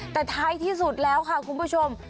แต่ท้ายที่สุดแล้วค่ะคุณผู้ชม